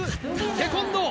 テコンドー